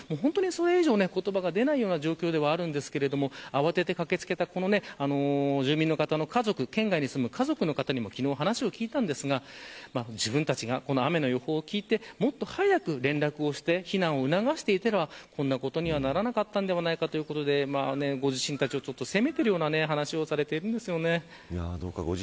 それ以上言葉が出ないような状況ではありますが慌てて駆け付けた住民の方の家族、県外に住む家族の方にも昨日お話を聞きましたが自分たちが雨の予報を聞いてもっと早く連絡をして避難を促していればこんなことにはならなかったのではないか、ということでご自身たちを責めているような話をされているんです。